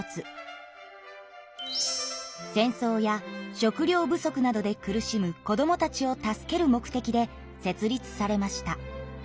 戦争や食料不足などで苦しむ子どもたちを助ける目的で設立されました。